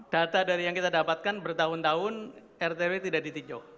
data dari yang kita dapatkan bertahun tahun rtw tidak ditinjau